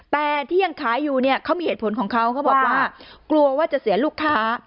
แต่ที่ยังขายอยู่เนี่ยเขามีเหตุผลของเขาเขาบอกว่ากลัวว่าจะเสียลูกค้า